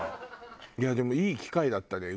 いやでもいい機会だったね。